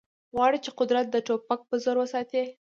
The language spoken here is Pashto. غواړي چې قدرت د ټوپک په زور وساتي